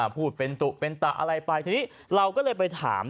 พูดเป็นตุเป็นตะอะไรไปทีนี้เราก็เลยไปถาม